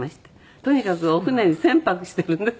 とにかくお船に船泊してるんです。